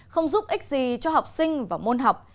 không giúp ích gì cho học sinh và môn học